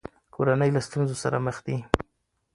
کورنۍ له ستونزو سره مخ دي.